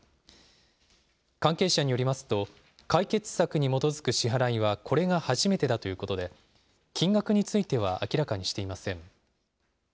関係者によりますと、解決策に基づく支払いはこれが初めてだということで、金額については、明らかにしていません。